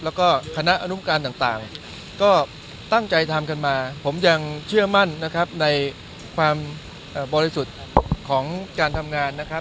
แล้วก็คณะอนุการต่างก็ตั้งใจทำกันมาผมยังเชื่อมั่นนะครับในความบริสุทธิ์ของการทำงานนะครับ